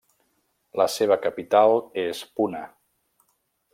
La seva capital és Puna.